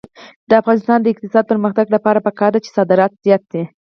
د افغانستان د اقتصادي پرمختګ لپاره پکار ده چې صادرات زیات شي.